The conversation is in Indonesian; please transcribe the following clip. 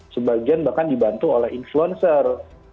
sebagian bahkan dibantu oleh influencer